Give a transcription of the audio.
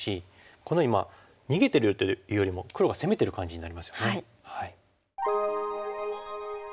このように逃げてるというよりも黒が攻めてる感じになりますよね。